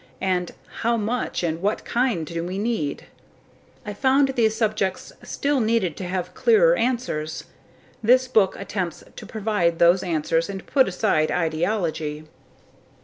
and "how much and what kind do we need?" I found these subjects still needed to have clearer answers. This book attempts to provide those answers and puts aside ideology.